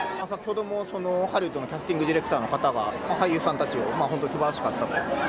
先ほども、ハリウッドのキャスティングディレクターの方が俳優さんたち本当に素晴らしかったと。